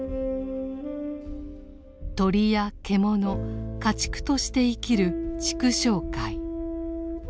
鳥や獣家畜として生きる畜生界。